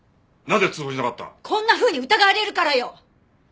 こんなふうに疑われるからよ！